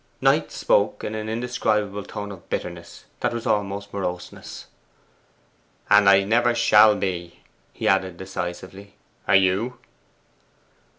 Knight spoke in an indescribable tone of bitterness that was almost moroseness. 'And I never shall be,' he added decisively. 'Are you?